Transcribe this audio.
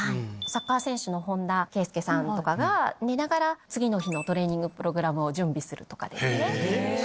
サッカー選手の本田圭佑さんとかが寝ながら次の日のトレーニングプログラムを準備するとかですね。